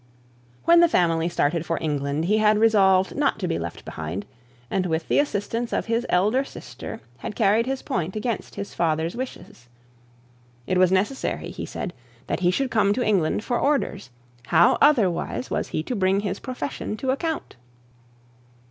When the family started for England he had resolved not to be left behind, and with the assistance of his elder sister had earned his point against his father's wishes. It was necessary, he said, that he should come to England for orders. How otherwise was he to bring his profession to account?